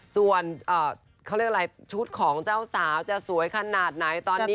ส่วนชุดของเจ้าสาวจะสวยขนาดไหนตอนนี้